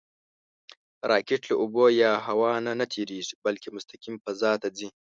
راکټ له اوبو یا هوا نه نهتېرېږي، بلکې مستقیم فضا ته ځي